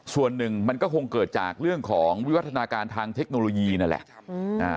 ส่วนหนึ่งมันก็คงเกิดจากเรื่องของวิวัฒนาการทางเทคโนโลยีนั่นแหละ